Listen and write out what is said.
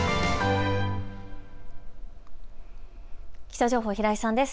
気象情報、平井さんです。